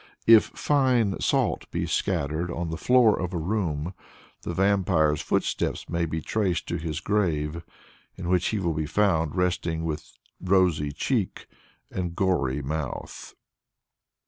If fine salt be scattered on the floor of a room, the vampire's footsteps may be traced to his grave, in which he will be found resting with rosy cheek and gory mouth.